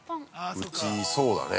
◆うち、そうだね。